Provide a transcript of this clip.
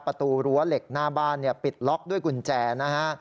ประตูรั้วเหล็กหน้าบ้านปิดล็อกด้วยกุญแจนะฮะ